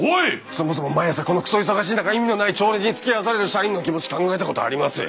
そもそも毎朝このクソ忙しい中意味のない朝礼につきあわされる社員の気持ち考えたことあります？